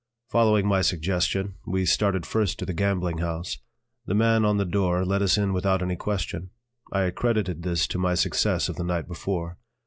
Following my suggestion, we started first to the gambling house. The man on the door let us in without any question; I accredited this to my success of the night before.